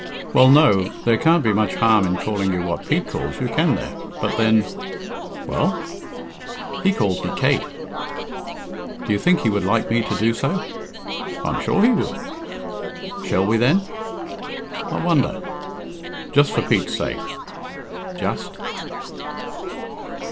"Well, no; there can't be much harm in calling you what Pete calls you, can there? But then " "Well?" "He calls me Kate." "Do you think he would like me to do so?" "I'm sure he would." "Shall we, then?" "I wonder!" "Just for Pete's sake?" "Just."